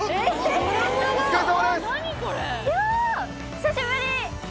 久しぶり。